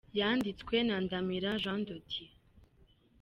Yanditswe na Ndamira Jean de Dieu